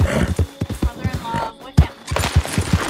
Brother-in-law of Wickham!